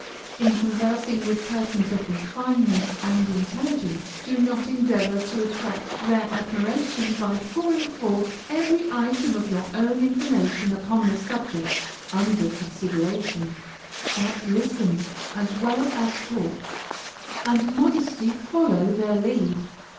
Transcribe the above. In conversing with persons of refinement and intelligence, do not endeavor to attract their admiration by pouring forth every item of your own information upon the subject under consideration, but listen as well as talk, and modestly follow their lead.